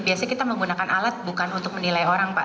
biasanya kita menggunakan alat bukan untuk menilai orang pak